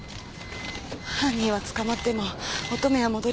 犯人は捕まっても乙女は戻りません。